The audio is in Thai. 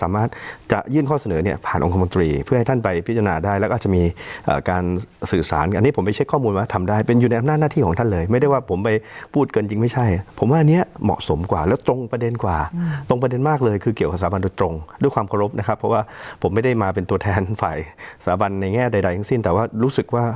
จะยื่นข้อเสนอเนี่ยผ่านองคมนตรีเพื่อให้ท่านไปพิจารณาได้แล้วก็จะมีการสื่อสารอันนี้ผมไปเช็คข้อมูลว่าทำได้เป็นอยู่ในอำนาจหน้าที่ของท่านเลยไม่ได้ว่าผมไปพูดเกินจริงไม่ใช่ผมว่าอันนี้เหมาะสมกว่าแล้วตรงประเด็นกว่าตรงประเด็นมากเลยคือเกี่ยวกับสถาบันโดยตรงด้วยความเคารพนะครับเพราะว่าผมไม่ได้มาเป็นตัวแทนฝ่ายสถาบันในแง่ใดทั้งสิ้นแต่ว่ารู้สึกว่า